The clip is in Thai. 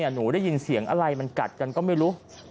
หนูได้ยินเสียงอะไรมันกัดกันก็ไม่รู้